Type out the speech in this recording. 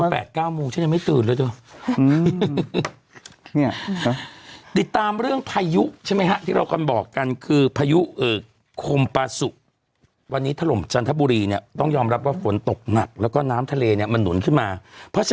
แบบโทรมาคืออยากรู้เข้าเบอร์เรามาจากไหนแปลกฝากเงินเนี่ยเนอะโอ้โห